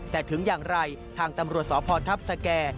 แต่ถึงอย่างไรทางตำรวจสพทัพสแก่